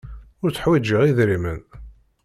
Ur tteḥwijiɣ idrimen.